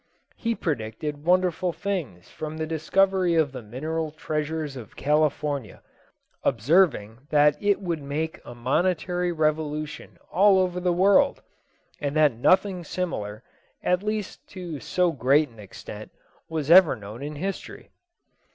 He predicted wonderful things from the discovery of the mineral treasures of California, observing that it would make a monetary revolution all over the world, and that nothing similar, at least to so great an extent, was ever known in history.